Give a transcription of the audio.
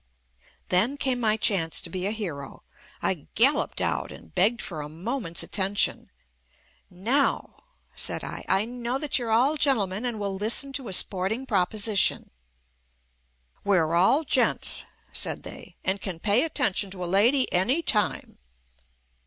Then came my chance to be a hero. I gal loped out and begged for a moment's attention. "Now," said I, "I know that you're all gentle men and will listen to a sporting proposition." "We're all gents," said they, "and can pay attention to a lady any time."